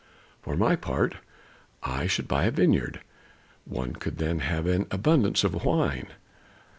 "For my part I should buy a vineyard. One could then have an abundance of wine."